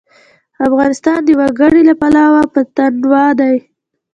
افغانستان د وګړي له پلوه متنوع دی.